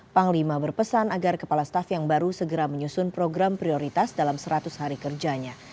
panglima berpesan agar kepala staff yang baru segera menyusun program prioritas dalam seratus hari kerjanya